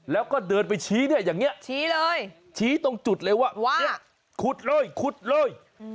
แล้วก็เดินไปชี้เนี่ยอย่างนี้ชี้เลยชี้ตรงจุดเลยว่าเนี่ยขุดเลยขุดเลย